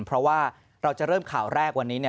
เพราะว่าเราจะเริ่มข่าวแรกวันนี้เนี่ย